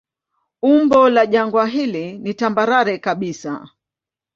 Umbo la jangwa hili ni tambarare kabisa.